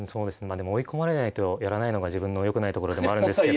でも追い込まれないとやらないのが自分のよくないところでもあるんですけど。